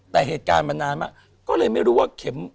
แต่เหตุการณ์มันนานมากก็เลยไม่รู้ว่าเข็ม